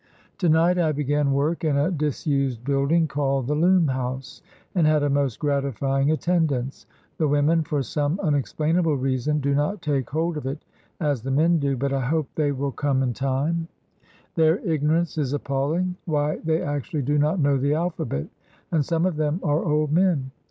To night I began work in a disused building called the Loom house, and had a most gratifying attendance. The women, for some unexplainable reason, do not take hold of it as the men do, but I hope they will come in time. THE LOOM HOUSE ACADEMY 89 Their ignorance is appalling. Why, they actually do not know the alphabet; and some of them are old men!